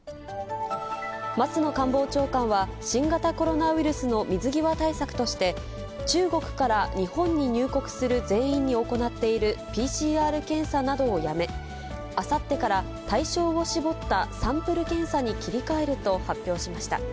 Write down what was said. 松野官房長官は、新型コロナウイルスの水際対策として、中国から日本に入国する全員に行っているＰＣＲ検査などをやめ、あさってから対象を絞ったサンプル検査に切り替えると発表しました。